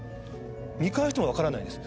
見返してもわからないんです。